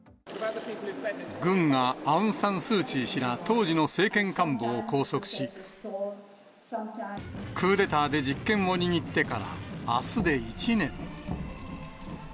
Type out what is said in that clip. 軍がアウン・サン・スー・チー氏ら、当時の政権幹部を拘束し、クーデターで実権を握ってから、あすで１年。